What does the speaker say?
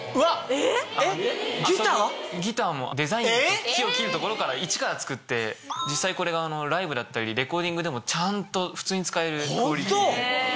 えぇ⁉ギターも木を切るところからイチから作って実際これがライブだったりレコーディングでもちゃんと普通に使えるクオリティーで。